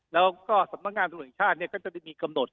แล้วก็สำนักงานสมุทรชาติก็จะมีกำหนด